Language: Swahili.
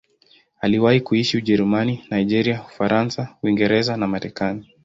Aliwahi kuishi Ujerumani, Nigeria, Ufaransa, Uingereza na Marekani.